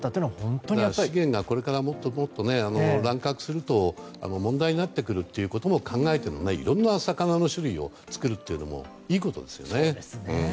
資源が、もっともっと乱獲すると問題になってくるということも考えて、いろんな魚の種類を作ることもいいことですよね。